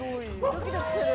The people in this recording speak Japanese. ドキドキする。